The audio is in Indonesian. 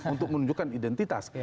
untuk menunjukkan identitas